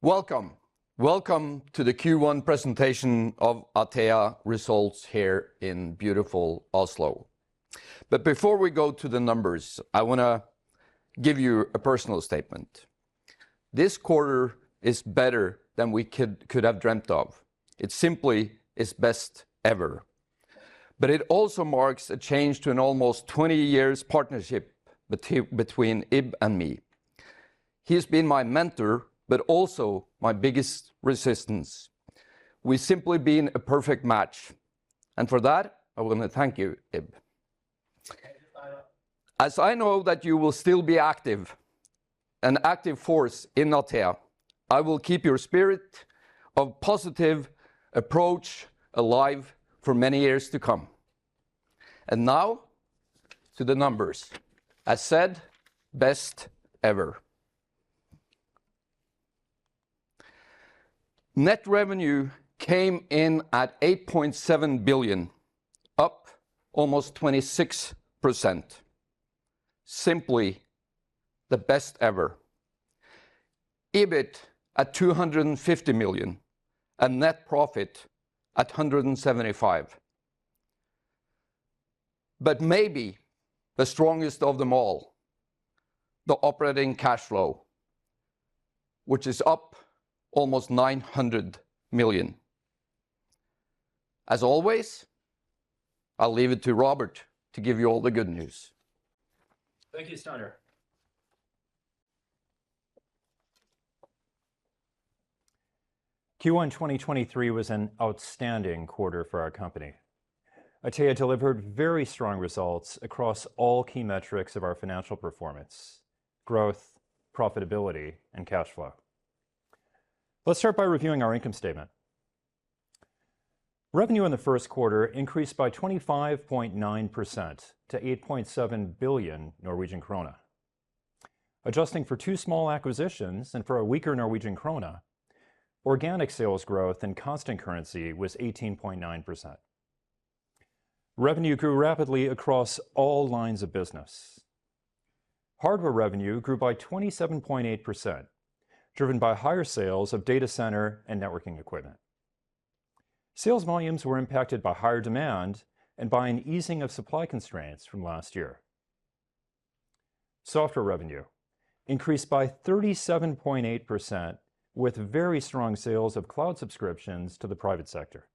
Welcome. Welcome to the Q1 Presentation of Atea Results here in beautiful Oslo. Before we go to the numbers, I wanna give you a personal statement. This quarter is better than we could have dreamt of. It simply is best ever. It also marks a change to an almost 20 years partnership between Ib and me. He has been my mentor, but also my biggest resistance. We've simply been a perfect match, and for that, I want to thank you, Ib. As I know that you will still be active and active force in Atea, I will keep your spirit of positive approach alive for many years to come. Now to the numbers. As said, best ever. Net revenue came in at 8.7 billion, up almost 26%. Simply the best ever. EBIT at 250 million, and net profit at 175 million. Maybe the strongest of them all, the operating cash flow, which is up almost 900 million. As always, I'll leave it to Robert to give you all the good news. Thank you, Steinar. Q1 2023 was an outstanding quarter for our company. Atea delivered very strong results across all key metrics of our financial performance, growth, profitability, and cash flow. Let's start by reviewing our income statement. Revenue in the Q1 increased by 25.9% to 8.7 billion Norwegian krone. Adjusting for 2 small acquisitions and for a weaker Norwegian kroner, organic sales growth and constant currency was 18.9%. Revenue grew rapidly across all lines of business. Hardware revenue grew by 27.8%, driven by higher sales of data center and networking equipment. Sales volumes were impacted by higher demand and by an easing of supply constraints from last year. Software revenue increased by 37.8% with very strong sales of cloud subscriptions to the private sector.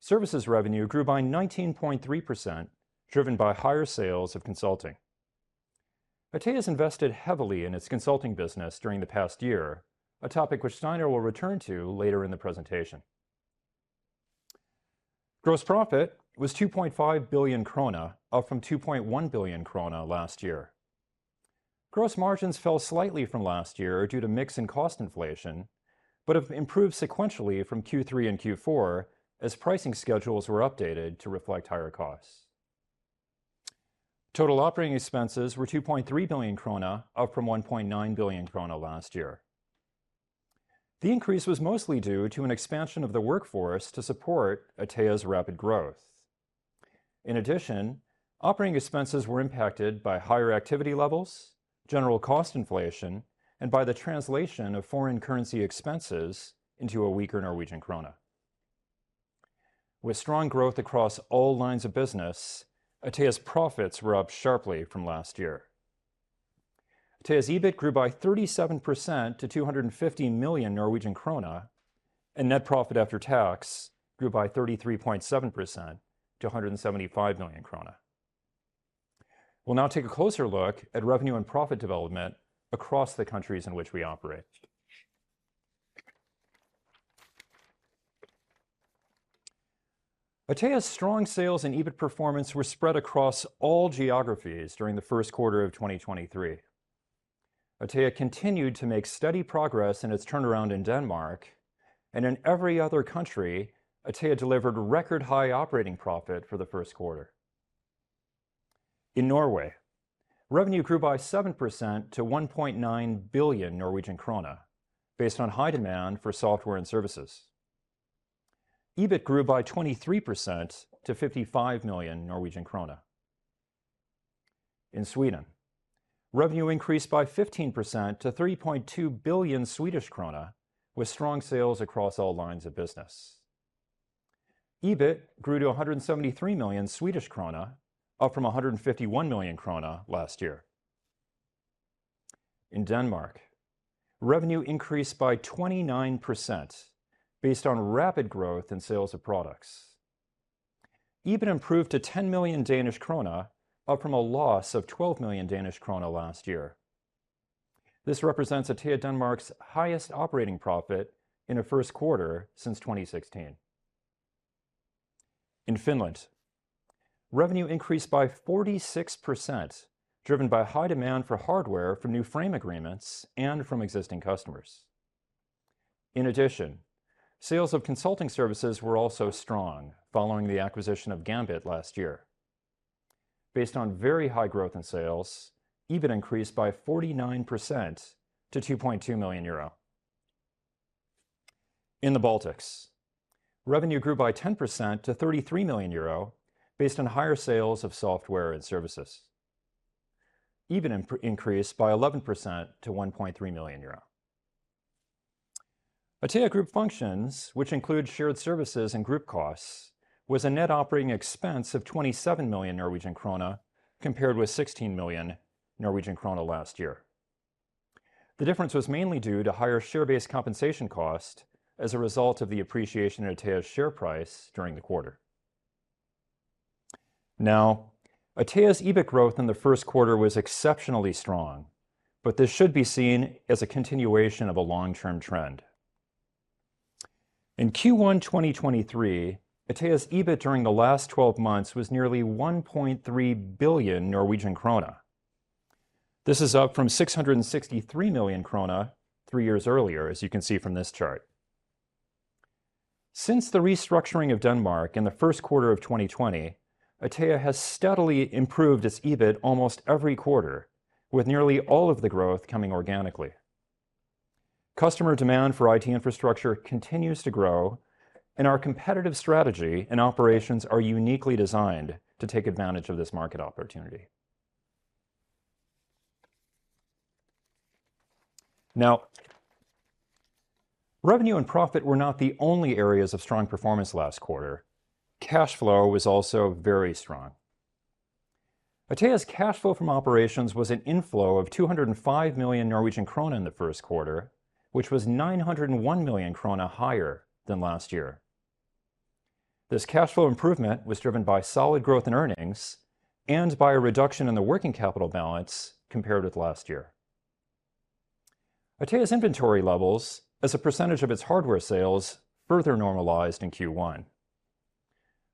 Services revenue grew by 19.3%, driven by higher sales of consulting. Atea has invested heavily in it's consulting business during the past year, a topic which Steinar will return to later in the presentation. Gross profit was 2.5 billion krone, up from 2.1 billion krone last year. Gross margins fell slightly from last year due to mix and cost inflation, but have improved sequentially from Q3 and Q4 as pricing schedules were updated to reflect higher costs. Total operating expenses were 2.3 billion krone, up from 1.9 billion krone last year. The increase was mostly due to an expansion of the workforce to support Atea's rapid growth. In addition, operating expenses were impacted by higher activity levels, general cost inflation, and by the translation of foreign currency expenses into a weaker Norwegian kroner. With strong growth across all lines of business, Atea's profits were up sharply from last year. Atea's EBIT grew by 37% to 250 million Norwegian krone, and net profit after tax grew by 33.7% to 175 million krone. We'll now take a closer look at revenue and profit development across the countries in which we operate. Atea's strong sales and EBIT performance were spread across all geographies during the Q1 of 2023. Atea continued to make steady progress in it's turnaround in Denmark. In every other country, Atea delivered record high operating profit for the Q1. In Norway, revenue grew by 7% to 1.9 billion Norwegian krone based on high demand for software and services. EBIT grew by 23% to 55 million Norwegian krone. In Sweden, revenue increased by 15% to 3.2 billion Swedish krona, with strong sales across all lines of business. EBIT grew to 173 million Swedish krona, up from 151 million krona last year. In Denmark, revenue increased by 29% based on rapid growth in sales of products. EBIT improved to 10 million Danish krone, up from a loss of 12 million Danish krone last year. This represents Atea Denmark's highest operating profit in a Q1 since 2016. In Finland, revenue increased by 46%, driven by high demand for hardware from new frame agreements and from existing customers. In addition, sales of consulting services were also strong following the acquisition of Gambit last year. Based on very high growth in sales, EBIT increased by 49% to 2.2 million euro. In the Baltics, revenue grew by 10% to 33 million euro based on higher sales of software and services. EBIT increased by 11% to 1.3 million euro. Atea Group Functions, which include shared services and group costs, was a net operating expense of 27 million Norwegian krone compared with 16 million Norwegian krone last year. The difference was mainly due to higher share-based compensation cost as a result of the appreciation in Atea's share price during the quarter. Atea's EBIT growth in the Q1 was exceptionally strong, but this should be seen as a continuation of a long-term trend. In Q1 2023, Atea's EBIT during the last twelve months was nearly 1.3 billion Norwegian krone. This is up from 663 million krone three years earlier, as you can see from this chart. Since the restructuring of Denmark in Q1 2020, Atea has steadily improved it's EBIT almost every quarter, with nearly all of the growth coming organically. Customer demand for IT infrastructure continues to grow, our competitive strategy and operations are uniquely designed to take advantage of this market opportunity. Now, revenue and profit were not the only areas of strong performance last quarter. Cash flow was also very strong. Atea's cash flow from operations was an inflow of 205 million Norwegian krone in Q1, which was 901 million krone higher than last year. This cash flow improvement was driven by solid growth in earnings and by a reduction in the working capital balance compared with last year. Atea's inventory levels as a percentage of it's hardware sales further normalized in Q1.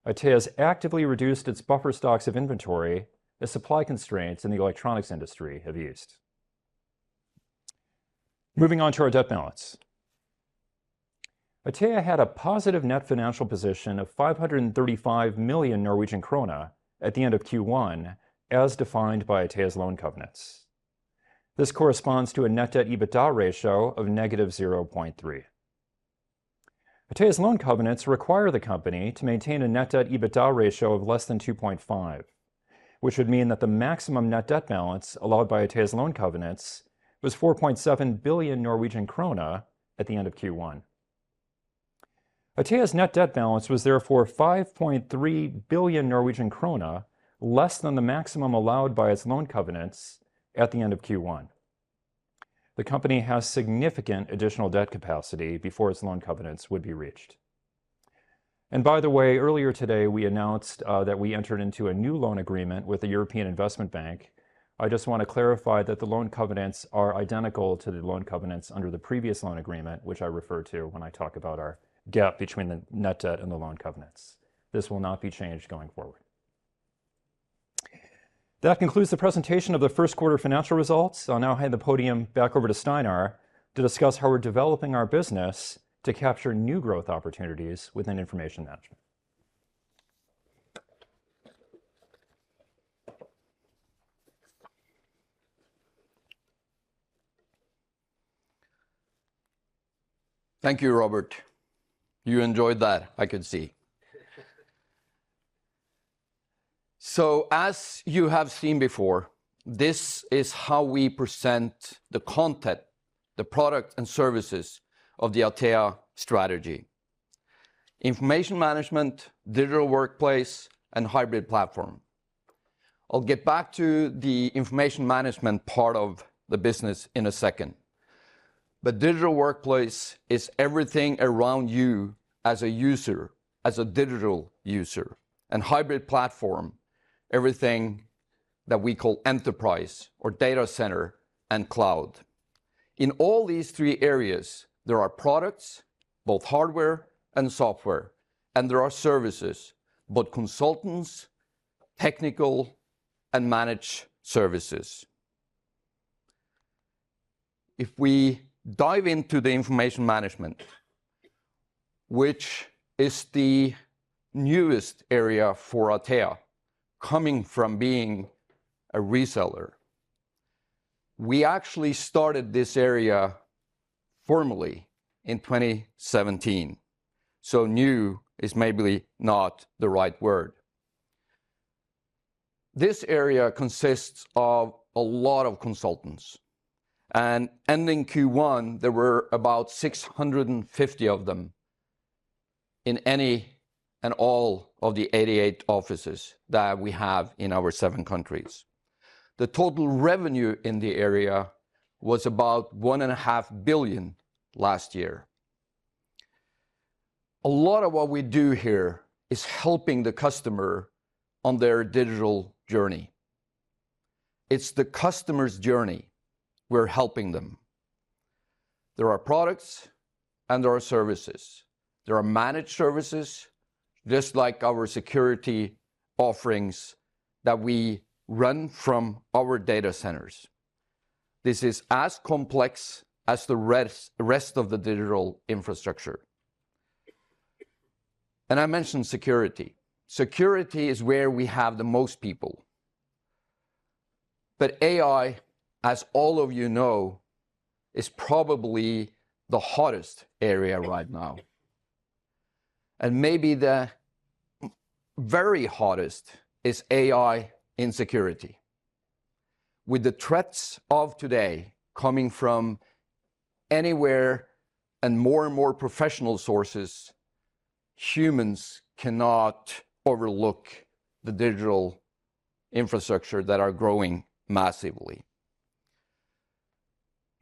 Atea has actively reduced it's buffer stocks of inventory as supply constraints in the electronics industry have eased. Moving on to our debt balance. Atea had a positive net financial position of 535 million Norwegian krone at the end of Q1, as defined by Atea's loan covenants. This corresponds to a net debt EBITDA ratio of -0.3. Atea's loan covenants require the company to maintain a net debt EBITDA ratio of less than 2.5, which would mean that the maximum net debt balance allowed by Atea's loan covenants was 4.7 billion Norwegian krone at the end of Q1. Atea's net debt balance was therefore 5.3 billion Norwegian krone less than the maximum allowed by it's loan covenants at the end of Q1. The company has significant additional debt capacity before it's loan covenants would be reached. By the way, earlier today we announced that we entered into a new loan agreement with the European Investment Bank. I just want to clarify that the loan covenants are identical to the loan covenants under the previous loan agreement, which I refer to when I talk about our gap between the net debt and the loan covenants. This will not be changed going forward. That concludes the presentation of the Q1 financial results. I'll now hand the podium back over to Steinar to discuss how we're developing our business to capture new growth opportunities within Information Management. Thank you, Robert. You enjoyed that, I can see. As you have seen before, this is how we present the content, the product and services of the Atea strategy. Information Management, Digital Workplace, and Hybrid Platform. I'll get back to the Information Management part of the business in a second. The Digital Workplace is everything around you as a user, as a digital user, and Hybrid Platform, everything that we call enterprise or data center and cloud. In all these three areas, there are products, both hardware and software, and there are services, both consultants, technical, and managed services. If we dive into the Information Management, which is the newest area for Atea, coming from being a reseller, we actually started this area formally in 2017, new is maybe not the right word. This area consists of a lot of consultants. Ending Q1, there were about 650 of them in any and all of the 88 offices that we have in our 7 countries. The total revenue in the area was about 1.5 billion last year. A lot of what we do here is helping the customer on their digital journey. It's the customer's journey. We're helping them. There are products and there are services. There are managed services, just like our security offerings that we run from our data centers. This is as complex as the rest of the digital infrastructure. I mentioned security. Security is where we have the most people. AI, as all of you know, is probably the hottest area right now. Maybe the very hottest is AI in security. With the threats of today coming from anywhere and more and more professional sources, humans cannot overlook the digital infrastructure that are growing massively.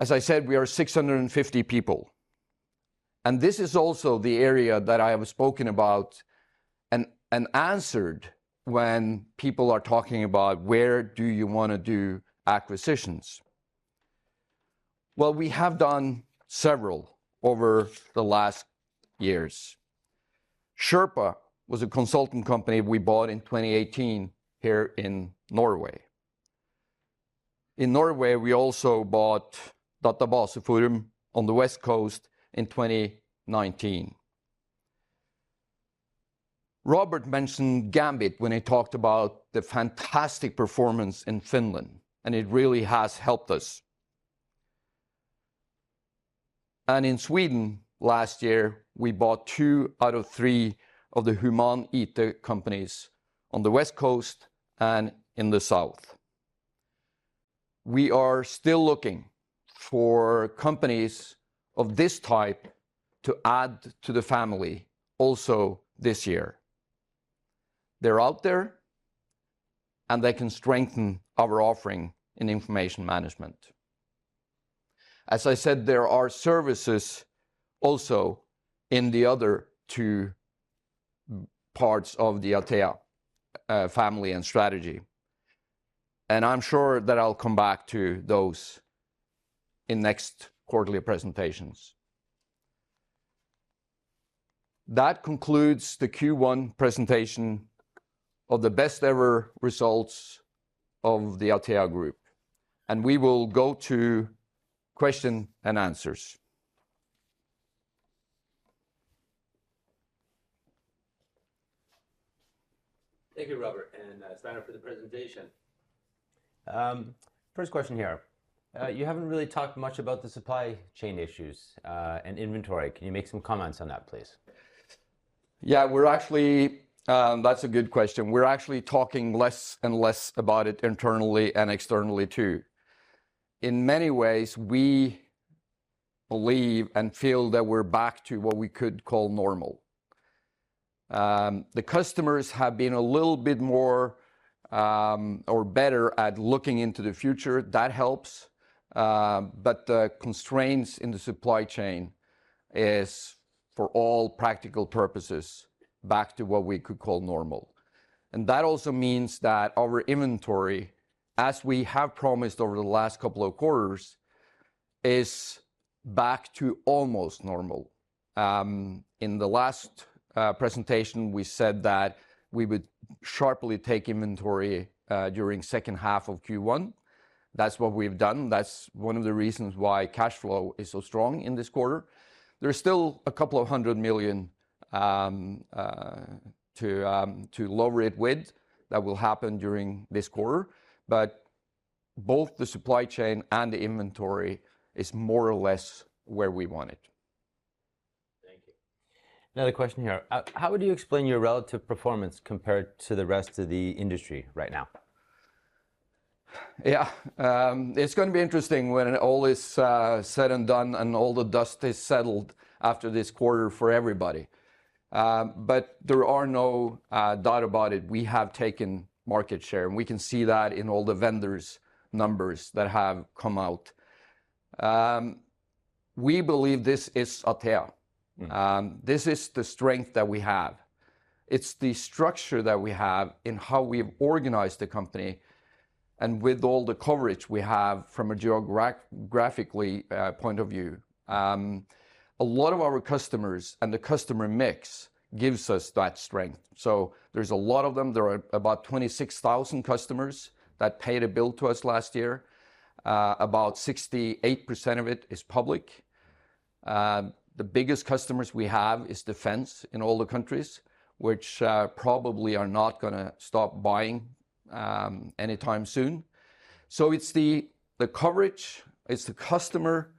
As I said, we are 650 people, and this is also the area that I have spoken about and answered when people are talking about where do you wanna do acquisitions. Well, we have done several over the last years. Sherpa was a consulting company we bought in 2018 here in Norway. In Norway, we also bought DatabaseForum on the West Coast in 2019. Robert mentioned Gambit when he talked about the fantastic performance in Finland, and it really has helped us. In Sweden last year, we bought two out of three of the Human IT companies on the West Coast and in the South. We are still looking for companies of this type to add to the family also this year. They're out there. They can strengthen our offering in Information Management. As I said, there are services also in the other two parts of the Atea family and strategy, and I'm sure that I'll come back to those in next quarterly presentations. That concludes the Q1 Presentation of the best ever results of the Atea Group, and we will go to question and answers. Thank you, Robert, and Steinar for the presentation. First question here. You haven't really talked much about the supply chain issues, and inventory. Can you make some comments on that, please? That's a good question. We're actually talking less and less about it internally and externally too. In many ways, we believe and feel that we're back to what we could call normal. The customers have been a little bit more, or better at looking into the future. That helps. The constraints in the supply chain is, for all practical purposes, back to what we could call normal. That also means that our inventory, as we have promised over the last couple of quarters, is back to almost normal. In the last presentation, we said that we would sharply take inventory during second half of Q1. That's what we've done. That's one of the reasons why cash flow is so strong in this quarter. There's still 200,000 to lower it with that will happen during this quarter. Both the supply chain and the inventory is more or less where we want it. Thank you. Another question here. How would you explain your relative performance compared to the rest of the industry right now? Yeah. It's gonna be interesting when all is said and done and all the dust is settled after this quarter for everybody. There are no doubt about it. We have taken market share, we can see that in all the vendors' numbers that have come out. We believe this is Atea. This is the strength that we have. It's the structure that we have in how we've organized the company and with all the coverage we have from a geographically point of view. A lot of our customers and the customer mix gives us that strength. There's a lot of them. There are about 26,000 customers that paid a bill to us last year. About 68% of it is public. The biggest customers we have is defense in all the countries, which probably are not gonna stop buying anytime soon. It's the coverage, it's the customer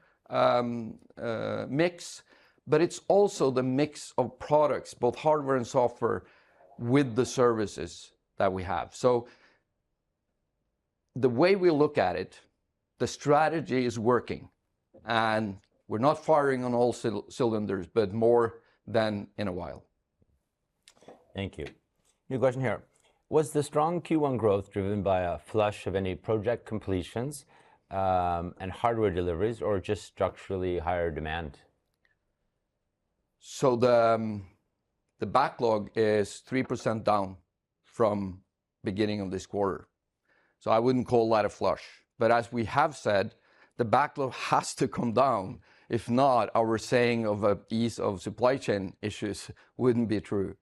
mix, but it's also the mix of products, both hardware and software, with the services that we have. The way we look at it, the strategy is working, and we're not firing on all cylinders, but more than in a while. Thank you. New question here. Was the strong Q1 growth driven by a flush of any project completions, and hardware deliveries or just structurally higher demand? The backlog is 3% down from beginning of this quarter, so I wouldn't call that a flush. As we have said, the backlog has to come down. If not, our saying of a ease of supply chain issues wouldn't be true.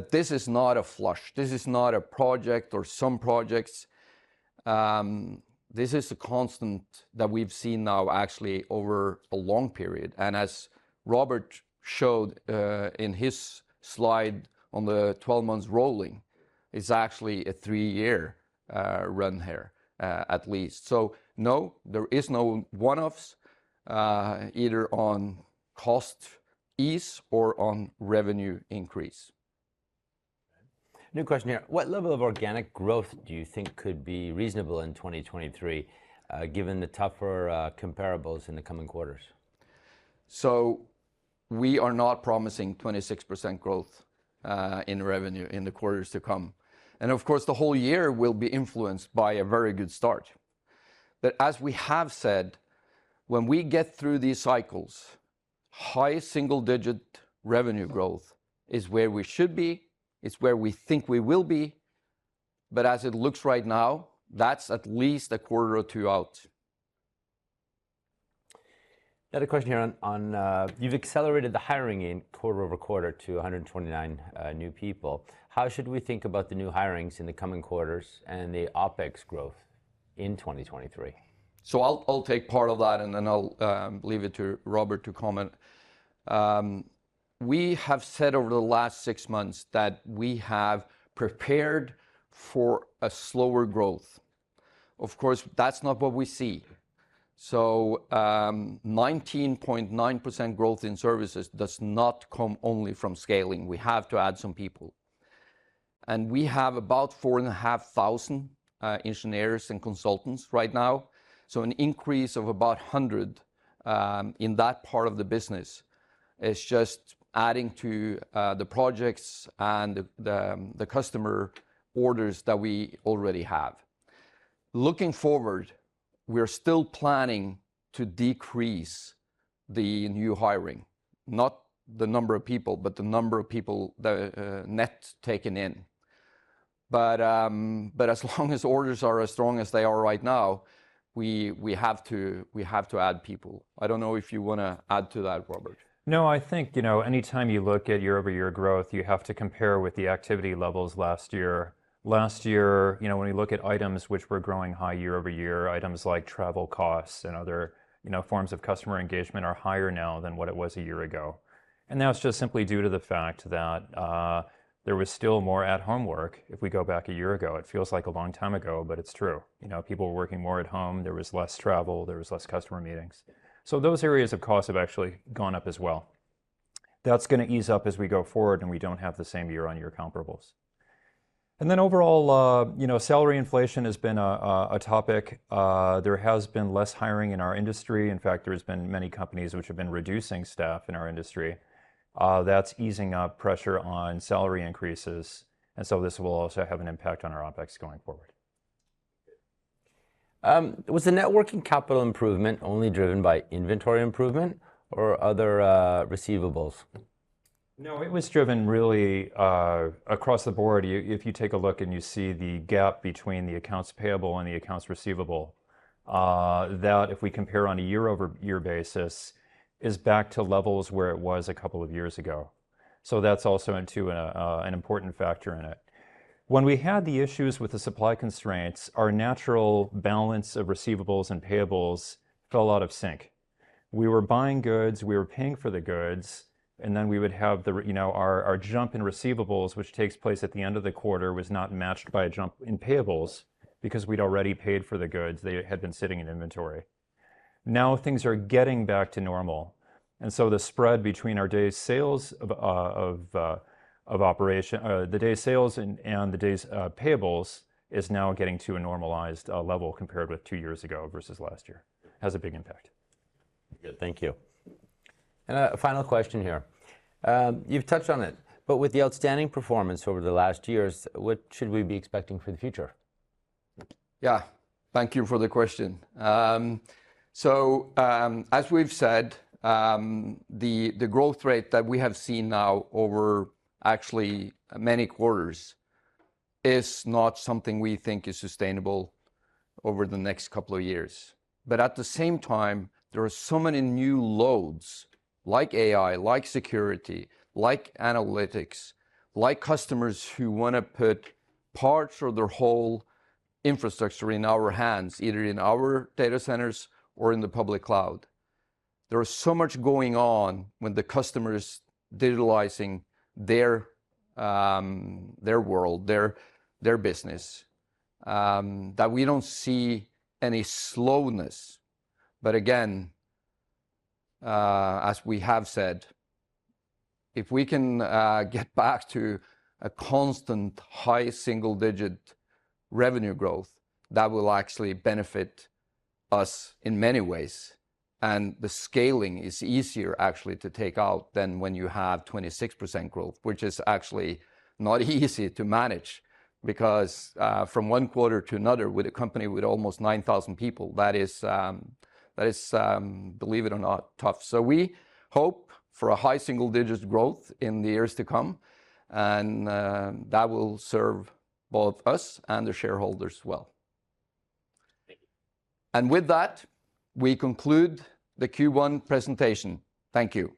This is not a flush. This is not a project or some projects, this is a constant that we've seen now actually over a long period, and as Robert showed, in his slide on the 12 months rolling, it's actually a three-year run here, at least. No, there is no one-offs, either on cost ease or on revenue increase. New question here. What level of organic growth do you think could be reasonable in 2023, given the tougher comparables in the coming quarters? We are not promising 26% growth, in revenue in the quarters to come, and of course, the whole year will be influenced by a very good start. As we have said, when we get through these cycles, high single-digit revenue growth is where we should be, it's where we think we will be, but as it looks right now, that's at least a quarter or two out. Another question here on, you've accelerated the hiring in quarter-over-quarter to 129 new people. How should we think about the new hirings in the coming quarters and the OpEx growth in 2023? I'll take part of that, and then I'll leave it to Robert to comment. We have said over the last six months that we have prepared for a slower growth. Of course, that's not what we see. 19.9% growth in services does not come only from scaling. We have to add some people. We have about 4,500 engineers and consultants right now, so an increase of about 100 in that part of the business is just adding to the projects and the customer orders that we already have. Looking forward, we're still planning to decrease the new hiring, not the number of people, but the number of people that net taken in. As long as orders are as strong as they are right now, we have to add people. I don't know if you wanna add to that, Robert? No, I think, you know, anytime you look at year-over-year growth, you have to compare with the activity levels last year. Last year, you know, when you look at items which were growing high year-over-year, items like travel costs and other, you know, forms of customer engagement are higher now than what it was a year ago. That's just simply due to the fact that there was still more at-home work if we go back a year ago. It feels like a long time ago. It's true. You know, people were working more at home. There was less travel. There was less customer meetings. Those areas of cost have actually gone up as well. That's gonna ease up as we go forward, and we don't have the same year-on-year comparables. Overall, you know, salary inflation has been a topic. There has been less hiring in our industry. In fact, there's been many companies which have been reducing staff in our industry. That's easing up pressure on salary increases, and so this will also have an impact on our OpEx going forward. Was the working capital improvement only driven by inventory improvement or other receivables? It was driven really across the board. If you take a look and you see the gap between the accounts payable and the accounts receivable, that if we compare on a year-over-year basis, is back to levels where it was a couple of years ago. That's also into an important factor in it. When we had the issues with the supply constraints, our natural balance of receivables and payables fell out of sync. We were buying goods. We were paying for the goods, we would have you know, our jump in receivables, which takes place at the end of the quarter, was not matched by a jump in payables because we'd already paid for the goods. They had been sitting in inventory. Now things are getting back to normal, and so the spread between our days sales of operation, the day sales and the days payables is now getting to a normalized level compared with two years ago versus last year. It has a big impact. Good. Thank you. A final question here. You've touched on it, but with the outstanding performance over the last years, what should we be expecting for the future? Yeah. Thank you for the question. As we've said, the growth rate that we have seen now over actually many quarters is not something we think is sustainable over the next couple of years. At the same time, there are so many new loads like AI, like security, like analytics, like customers who wanna put parts or their whole infrastructure in our hands, either in our data centers or in the public cloud. There is so much going on when the customer is digitalizing their world, their business, that we don't see any slowness. Again, as we have said, if we can get back to a constant high single-digit revenue growth, that will actually benefit us in many ways, and the scaling is easier actually to take out than when you have 26% growth, which is actually not easy to manage because from one quarter to another with a company with almost 9,000 people, that is, believe it or not, tough. We hope for a high single-digit growth in the years to come, and that will serve both us and the shareholders well. Thank you. With that, we conclude the Q1 Presentation. Thank you.